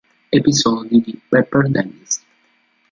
Episodi di Pepper Dennis